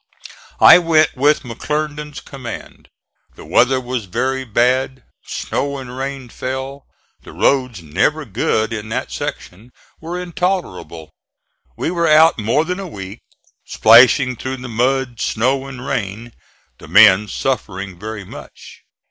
I went with McClernand's command. The weather was very bad; snow and rain fell; the roads, never good in that section, were intolerable. We were out more than a week splashing through the mud, snow and rain, the men suffering very much.